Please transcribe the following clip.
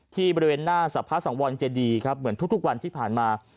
บริเวณหน้าสรรพสังวรเจดีครับเหมือนทุกวันที่ผ่านมา